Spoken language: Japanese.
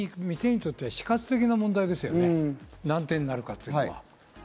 本当に店にとっては死活問題ですよね、何点になるかというのは。